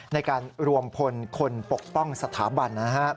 ในการรวมพลคนปกป้องสถาบัน